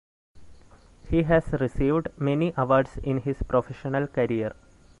He has received many awards in his professional career.